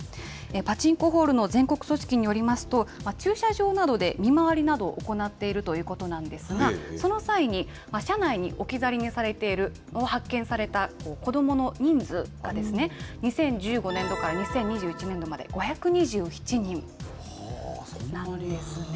パチンコホールの全国組織によりますと、駐車場などで見回りなどを行っているということなんですが、その際に、車内に置き去りにされているのを発見された子どもの人数が、２０１５年度から２０２１年度まで５２７人なんですね。